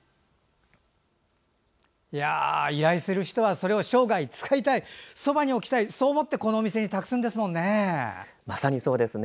依頼する人はそれを生涯使いたいそばに置きたい、そう思ってこのお店に託すんですもんね。